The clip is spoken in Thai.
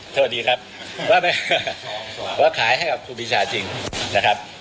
โทษดีครับว่าไม่ว่าขายให้กับครูปีชาจริงนะครับ